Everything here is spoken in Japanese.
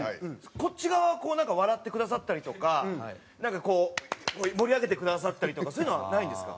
こっち側はこう笑ってくださったりとかなんかこう盛り上げてくださったりとかそういうのはないんですか？